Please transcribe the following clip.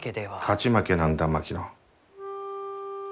勝ち負けなんだ槙野。